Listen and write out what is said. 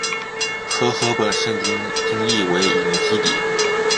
和合本圣经音译为隐基底。